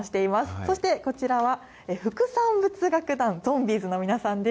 そしてこちらは、副産物楽団ゾンビーズの皆さんです。